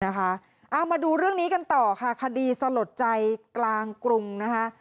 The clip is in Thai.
เอามาดูเรื่องนี้กันต่อค่ะคดีสลดใจกลางกรุงนะคะ